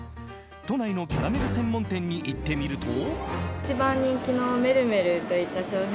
都内のキャラメル専門店に行ってみると。